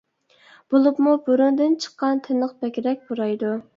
بولۇپمۇ بۇرۇندىن چىققان تىنىق بەكرەك پۇرايدۇ.